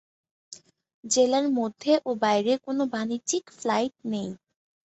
জেলার মধ্যে ও বাইরে কোনো বাণিজ্যিক ফ্লাইট নেই।